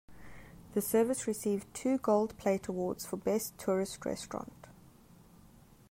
The service received two Gold Plate awards for "Best Tourist Restaurant".